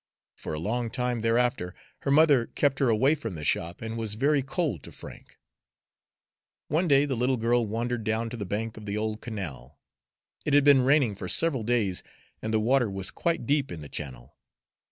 For a long time thereafter her mother kept her away from the shop and was very cold to Frank. One day the little girl wandered down to the bank of the old canal. It had been raining for several days, and the water was quite deep in the channel.